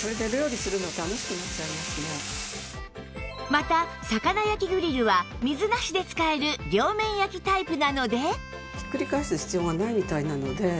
また魚焼きグリルは水なしで使える両面焼きタイプなので